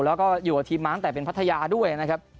แล้วก็อยู่กับทีมมาตั้งแต่เป็นพัทยาด้วยนะครับ